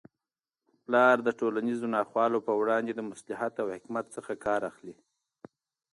پلار د ټولنیزو ناخوالو په وړاندې د مصلحت او حکمت څخه کار اخلي.